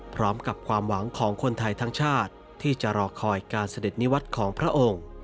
พร้อมกับความหวังของคนไทยทั้งชาติที่จะรอคอยการเสด็จนิวัตรของพระองค์